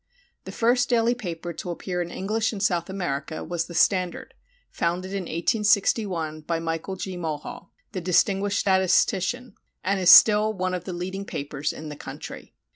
The first daily paper to appear in English in South America was the Standard, founded in 1861 by Michael G. Mulhall, the distinguished statistician, and it is still one of the leading papers in the country.